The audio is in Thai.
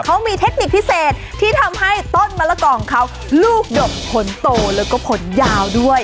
เขามีเทคนิคพิเศษที่ทำให้ต้นมะละกอของเขาลูกดกผลโตแล้วก็ผลยาวด้วย